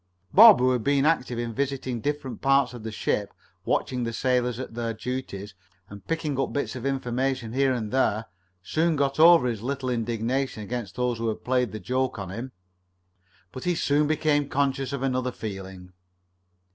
Bob, who had been active in visiting different parts of the ship, watching the sailors at their duties, and picking up bits of information here and there, soon got over his little indignation against those who had played the joke on him. But he soon became conscious of another feeling.